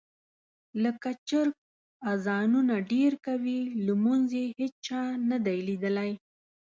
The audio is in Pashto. لکه چرګ اذانونه ډېر کوي لمونځ یې هېچا نه دي لیدلي.